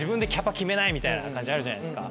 みたいな感じあるじゃないですか